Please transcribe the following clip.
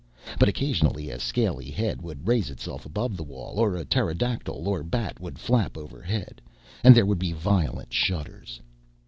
But occasionally, a scaly head would raise itself above the wall, or a pterodactyl or bat would flap overhead, and there would be violent shudders.